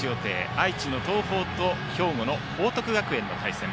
愛知の東邦と兵庫の報徳学園の対戦。